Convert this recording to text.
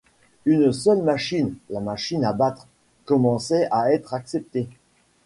Une seule machine, la machine à battre, commençait à être acceptée.